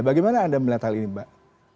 bagaimana anda melihat hal ini mbak